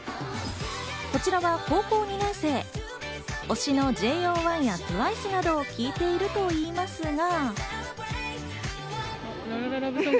こちらは高校２年生、推しのＪＯ１やＴＷＩＣＥなどを聞いているといいますが。